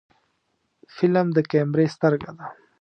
فلم د کیمرې سترګه ده